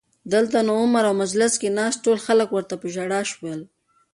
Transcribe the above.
دلته نو عمر او مجلس کې ناست ټول خلک ورته په ژړا شول